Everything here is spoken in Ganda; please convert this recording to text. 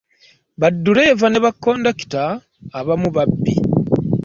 Ba ddereeva ne kondakite abamu babbi.